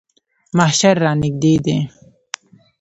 محشر رانږدې دی.